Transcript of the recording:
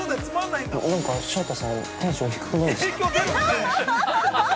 ◆なんかショウタさん、テンション低くないですか。